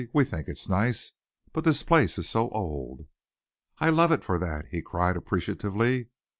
"We think it's nice, but this place is so old." "I love it for that," he cried appreciatively.